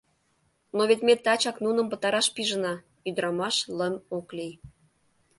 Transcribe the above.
— Но вет ме тачак нуным пытараш пижына! — ӱдырамаш лым ок лий.